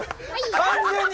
完全に。